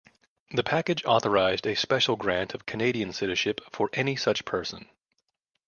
The package authorized a special grant of Canadian citizenship for any such person.